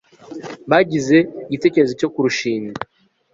bagize igitekerezo cyo kurushinga